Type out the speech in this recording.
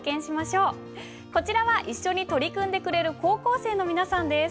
こちらは一緒に取り組んでくれる高校生の皆さんです。